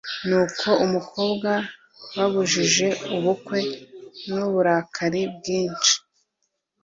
Nuko umukobwa babujije ubukwe n’uburakari bwinshi